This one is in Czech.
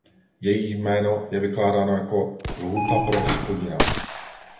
Její jméno je vykládáno jako "„Lhůta pro Hospodina“".